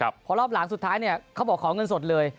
เพราะรอบหลังสุดท้ายเนี่ยเขาบอกขอเงินสดเลย